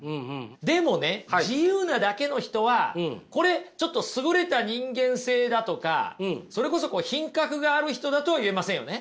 でもね自由なだけの人はこれちょっと優れた人間性だとかそれこそ品格がある人だとは言えませんよね。